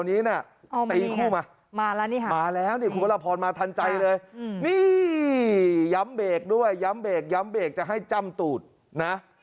นี่ย้ำเบรกด้วยย้ำเบรกย้ำเบรกจะให้จำตูดนะ